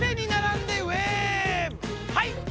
はい！